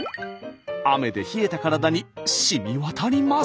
雨で冷えた体にしみ渡ります。